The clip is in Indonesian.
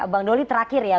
bang doli terakhir ya